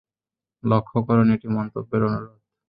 লক্ষ্য করুন, এটি মন্তব্যের অনুরোধ।